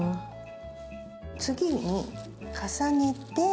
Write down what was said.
次に重ねて。